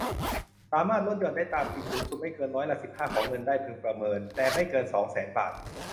สามารถลดหย่อนได้ตามจริง สูงสุดไม่เกินร้อยละ สิบห้า ของเงินได้พึงประเมิน แต่ไม่เกิน สองแสน บาท